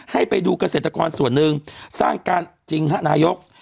ให้ไปดูเกษตรกรส่วนหนึ่งสร้างการจริงฮะนายก